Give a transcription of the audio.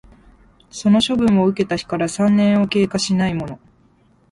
その処分を受けた日から三年を経過しないもの